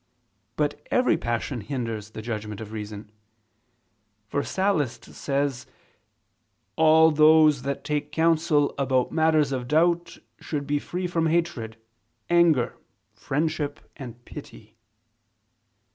But every passion hinders the judgment of reason: for Sallust says (Catilin.): "All those that take counsel about matters of doubt, should be free from hatred, anger, friendship and pity."